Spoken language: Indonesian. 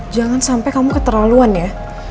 jangan sampai kamu keterlaluan ya